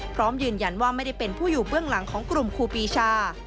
พร้อมยืนยันว่าไม่ได้เป็นผู้อยู่เบื้องหลังของกลุ่มครูปีชา